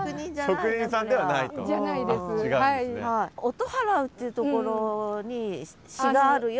「音払ふ」ってところに詩があるよ。